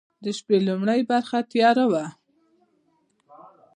د شپې لومړۍ برخه تېره وه.